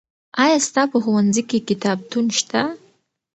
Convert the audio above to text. آیا ستا په ښوونځي کې کتابتون شته؟